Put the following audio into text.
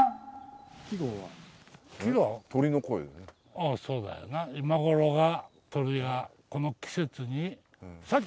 あぁそうだよな今頃が鳥はこの季節に。